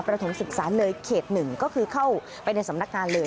ประถมศึกษาเลยเขตหนึ่งก็คือเข้าไปในสำนักการเลย